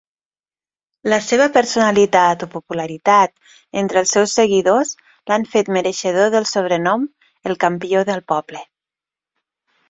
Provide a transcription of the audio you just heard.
La seva personalitat o popularitat entre els seus seguidors l'han fet mereixedor del sobrenom El campió del poble.